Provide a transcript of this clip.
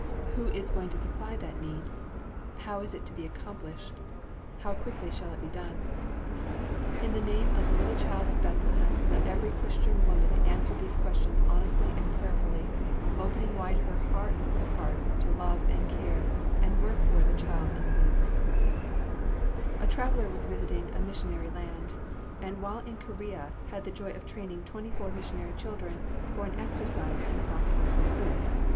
Who is going to supply that need? How is it to be accomplished? How quickly shall it be done? In the name of the little Child of Bethlehem let every Christian woman answer these questions honestly and prayerfully, opening wide her heart of hearts to love and care and work for The Child in the Midst. [Sidenote: The world needs the Holy Child.] A traveller was visiting several missionary lands, and while in Korea had the joy of training twenty four missionary children for an exercise in the Gospel of Luke.